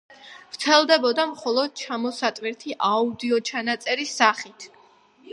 ვრცელდებოდა მხოლოდ ჩამოსატვირთი აუდიოჩანაწერის სახით.